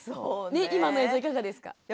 今の映像いかがですか？